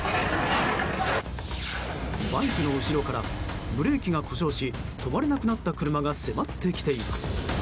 バイクの後ろからブレーキが故障し止まれなくなった車が迫ってきています。